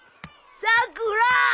さくら！